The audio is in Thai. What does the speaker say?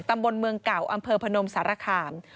ตำบลเมืองเก่าอำเภอพนมสารคาม